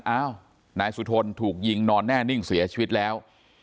อ้าวนายสุทนถูกยิงนอนแน่นิ่งเสียชีวิตแล้ว